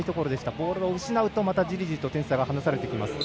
ボールを失うとじりじりと点差が離されてきます。